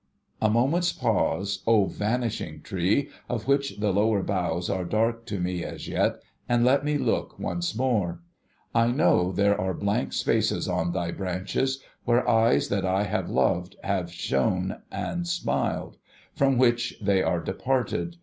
i6 A CHRISTMAS TREE A moment's pause, O vanishing tree, of which the lower boughs are dark to me as yet, and let me look once more ! I know there are blank spaces on thy branches, where eyes that I have loved have shone and smiled ; from wliich they are departed.